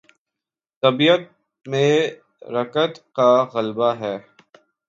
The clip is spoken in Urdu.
طبیعت میں رقت کا غلبہ ہے۔